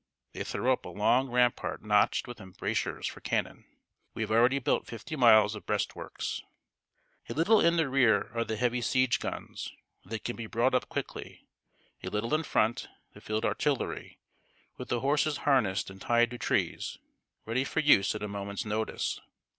They throw up a long rampart notched with embrasures for cannon. We have already built fifty miles of breastworks. A little in the rear are the heavy siege guns, where they can be brought up quickly; a little in front, the field artillery, with the horses harnessed and tied to trees, ready for use at a moment's notice.